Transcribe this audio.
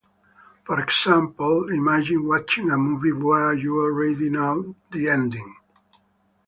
For example, imagine watching a movie where you already know the ending.